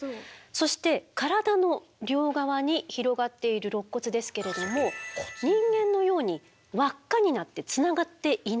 そして体の両側に広がっているろっ骨ですけれども人間のように輪っかになってつながっていないんです。